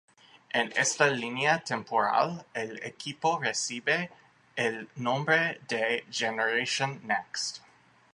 En esta línea temporal, el equipo recibe el nombre de Generation NeXt.